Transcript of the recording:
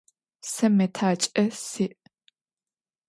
Сэ мэтакӏэ сиӏ.